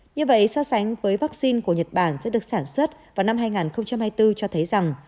như vậy so sánh với vaccine của nhật bản sẽ được sản xuất vào năm hai nghìn hai mươi bốn cho thấy rằng